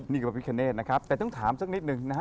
นี่ก็พระพิคเนธนะครับแต่ต้องถามสักนิดหนึ่งนะฮะ